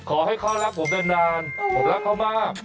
ขอให้เขารักผมนานผมรักเขามาก